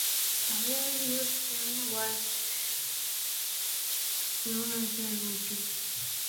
A rarely used kiln was known as a "lazy kiln".